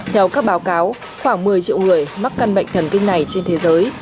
theo các báo cáo khoảng một mươi triệu người mắc căn bệnh thần kinh này trên thế giới